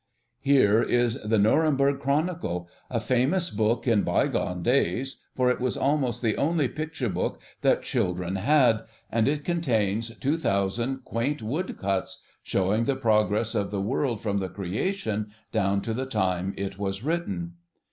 Here is the 'Neuremberg Chronicle,' a famous book in bygone days, for it was almost the only picture book that children had, and it contains two thousand quaint woodcuts, showing the progress of the world from the Creation down to the time it was written.